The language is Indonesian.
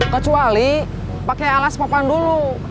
kecuali pakai alas papan dulu